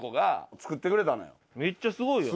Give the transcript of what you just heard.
めっちゃすごいやん。